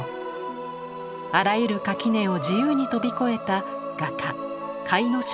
あらゆる垣根を自由に飛び越えた画家甲斐荘楠音。